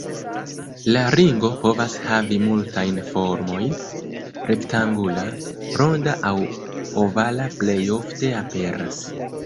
La ringo povas havi multajn formojn, rektangula, ronda aŭ ovala plej ofte aperas.